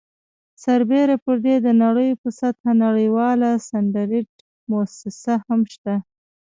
سربیره پر دې د نړۍ په سطحه نړیواله سټنډرډ مؤسسه هم شته.